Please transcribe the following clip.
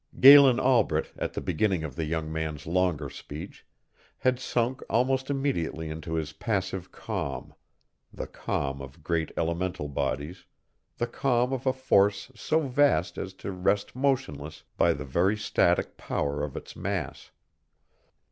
Galen Albret, at the beginning of the young man's longer speech, had sunk almost immediately into his passive calm the calm of great elemental bodies, the calm of a force so vast as to rest motionless by the very static power of its mass.